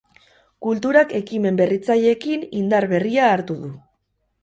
Kulturak ekimen berritzaileekin indar berria hartu du.